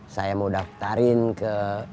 saya mau daftarin ke